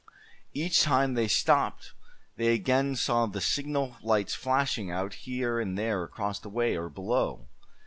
Each time they stopped they again saw the signal lights flashing out here and there across the way, or below.